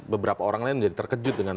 beberapa orang lain menjadi terkejut dengan